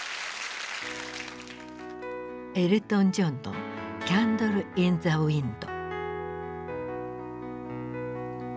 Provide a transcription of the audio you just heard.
エルトン・ジョンの「キャンドル・イン・ザ・ウインド」。